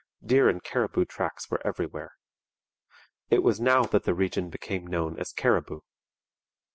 Deer and caribou tracks were everywhere. It was now that the region became known as Cariboo.